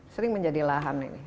sering menjadi lahan ini